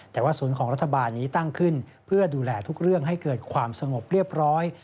แต่ว่าศูนย์ของรัฐบาลนี้ตั้งขึ้นเพื่อดูแลทุกเรื่องให้เกิดความสงบเรียบร้อย